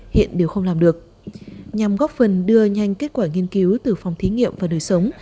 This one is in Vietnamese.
hiện đều không làm được nhằm góp phần đưa nhanh kết quả nghiên cứu từ phòng thí nghiệm và đời sống